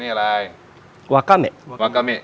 นี่อะไรวากะเมวากะเม